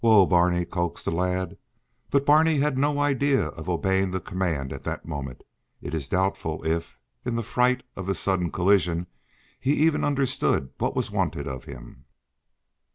"Whoa, Barney!" coaxed the lad. But Barney had no idea of obeying the command at that moment. It is doubtful if, in the fright of the sudden collision, he even understood what was wanted of him.